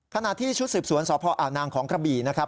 ขณะที่ชุดสืบสวนสพอาวนางของกระบี่นะครับ